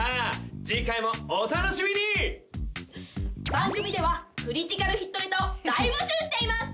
番組ではクリティカルフィットネタを大募集しています！